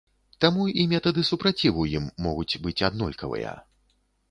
Таму і метады супраціву ім могуць быць аднолькавыя.